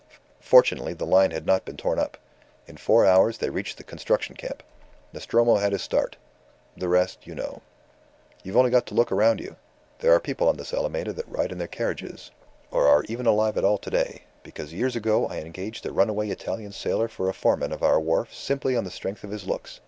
Fortunately the line had not been torn up. In four hours they reached the Construction Camp. Nostromo had his start. ... The rest you know. You've got only to look round you. There are people on this Alameda that ride in their carriages, or even are alive at all to day, because years ago I engaged a runaway Italian sailor for a foreman of our wharf simply on the strength of his looks.